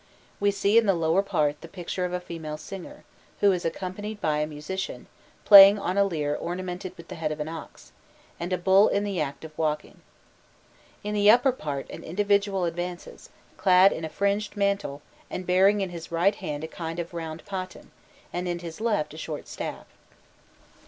We see in the lower part of the picture a female singer, who is accompanied by a musician, playing on a lyre ornamented with the head of an ox, and a bull in the act of walking. In the upper part an individual advances, clad in a fringed mantle, and bearing in his right hand a kind of round paten, and in his left a short staff.